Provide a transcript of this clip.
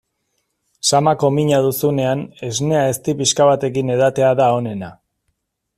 Samako mina duzunean esnea ezti pixka batekin edatea da onena.